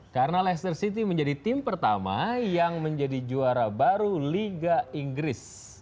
karena leicester city menjadi tim pertama yang menjadi juara baru liga inggris